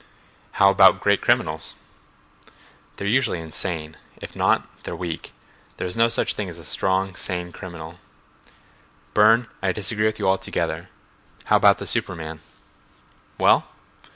"How about great criminals?" "They're usually insane. If not, they're weak. There is no such thing as a strong, sane criminal." "Burne, I disagree with you altogether; how about the superman?" "Well?"